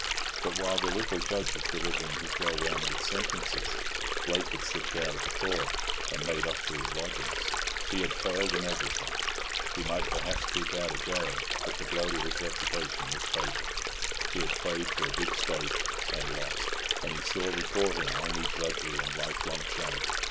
But while the little Judge was delivering his well rounded sentences, Blake had slipped out of Court and made off to his lodgings. He had failed in everything. He might perhaps keep out of gaol; but the blow to his reputation was fatal. He had played for a big stake and lost, and he saw before him only drudgery and lifelong shame.